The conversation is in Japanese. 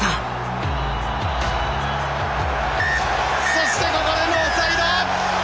そしてここでノーサイド！